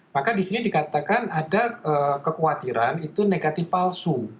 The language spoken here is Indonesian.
maka di sini dikatakan ada kekhawatiran itu negatif palsu